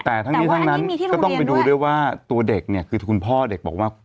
แต่ทั้งนี้ทั้งนั้นก็ต้องไปดูด้วยว่าตัวเด็กเนี่ยคือคุณพ่อเด็กบอกว่า